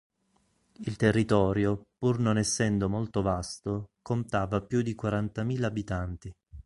Il territorio, pur non essendo molto vasto, contava più di quarantamila abitanti.